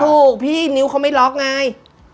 ถูกพี่นิ้วเขาไม่ล็อกไง